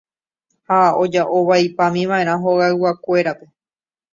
Ha oja'o vaipámiva'erã hogayguakuérape.